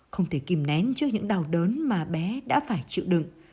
không thể kìm nén trước những đau đớn mà bé đã phải chịu đựng